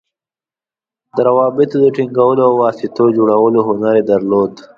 د روابطو د ټینګولو او واسطو جوړولو هنر یې درلود.